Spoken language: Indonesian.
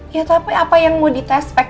ya tapi apa yang mau di tes pek